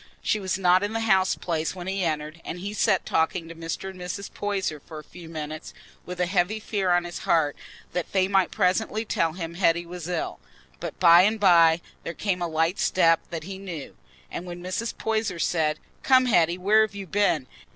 She was not in the house place when he entered, and he sat talking to Mr. and Mrs. Poyser for a few minutes with a heavy fear on his heart that they might presently tell him Hetty was ill. But by and by there came a light step that he knew, and when Mrs. Poyser said, "Come, Hetty, where have you been?"